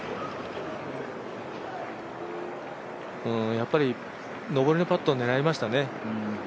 やっぱり上りのパットを狙いましたね。